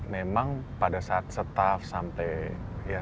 memang pada saat staff sampai ya